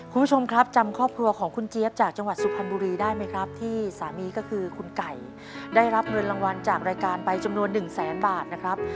คุณผู้ชมครับจำครอบครัวของคุณเจี๊ยบจากจังหวัดสุพรรณบุรีได้ไหมครับที่สามีก็คือคุณไก่ได้รับเงินรางวัลจากรายการไปจำนวนหนึ่งแสนบาทนะครับ